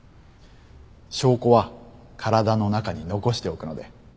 証拠は体の中に残しておくので。